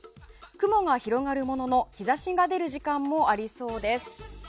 雲が広がるものの日差しが出る時間もありそうです。